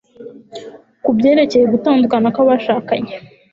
ku byerekeye gutandukana kw'abashakanye